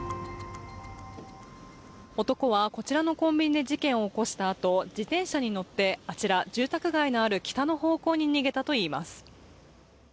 男はこちらのコンビニで事件を起こしたあと自転車に乗ってあちら、住宅街のある北の方向に逃げたといいます。